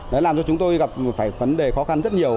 đó làm cho chúng tôi gặp một vấn đề khó khăn rất nhiều